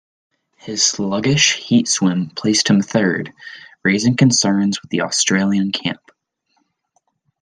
His sluggish heat swim placed him third, raising concerns within the Australian camp.